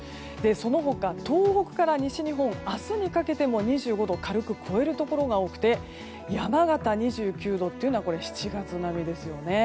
その他、東北から西日本明日にかけても２５度を軽く超えるところが多くて山形、２９度というのは７月並みですよね。